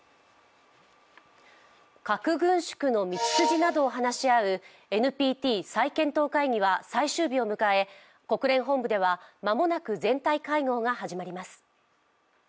核軍縮の道筋などを話し合うＮＰＴ再検討会議は最終日を迎え国連本部では間もなく全体会合が始まります。